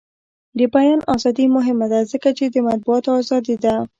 د بیان ازادي مهمه ده ځکه چې د مطبوعاتو ازادي ده.